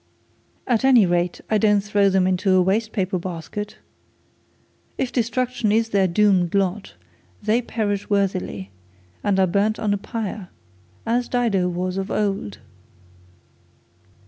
'At any rate I don't throw them into a waste paper basket. If destruction is their doomed lot, they perish worthily, and are burnt on a pyre, as Dido was of old.'